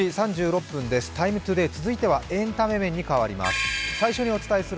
「ＴＩＭＥ，ＴＯＤＡＹ」、続いてはエンタメ面に変わります。